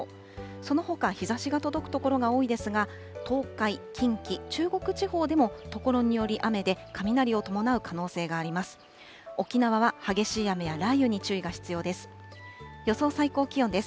そのほか日ざしが届く所が多いですが、東海、近畿、中国地方でも、所により雨で、雷を伴う可能性があります。